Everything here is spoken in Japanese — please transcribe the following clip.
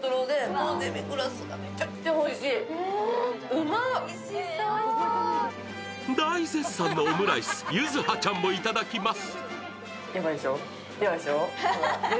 あっ、えっ大絶賛のオムライス柚葉ちゃんもいただきます